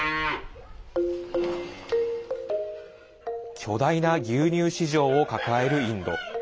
巨大な牛乳市場を抱えるインド。